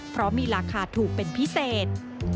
เพราะมีราคาถูกเป็นพิเศษ